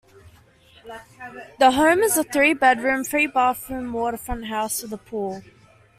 The home is a three bedroom, three bathroom waterfront house, with a pool.